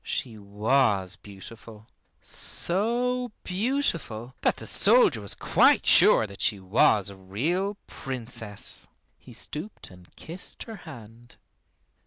She was beautiful, so beautiful that the soldier was quite sure that she was a real Princess. He stooped and kissed her hand.